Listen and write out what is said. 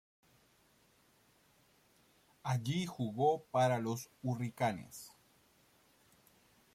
Allí jugó para los Hurricanes.